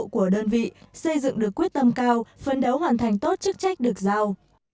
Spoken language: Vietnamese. của đơn vị xây dựng được quyết tâm cao phân đấu hoàn thành tốt chức trách được giao